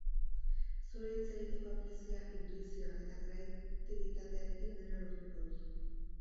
Zure hitz egiteko abilezia, intuizioa eta kreatibitatearekin dena lortuko duzu.